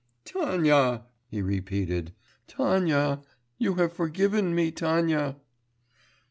'Tanya!' he repeated, 'Tanya! you have forgiven me, Tanya!